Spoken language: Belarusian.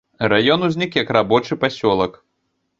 Раён узнік як рабочы пасёлак.